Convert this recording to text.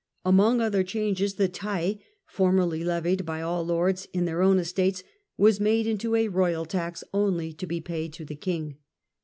Amongst other changes the taille, formerly levied by all lords in their own estates, was made into a royal tax only to be paid to the King.